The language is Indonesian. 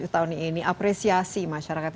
dua puluh tujuh tahun ini apresiasi masyarakat